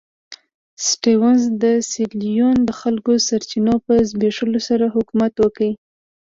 سټیونز د سیریلیون د خلکو د سرچینو په زبېښلو سره حکومت وکړ.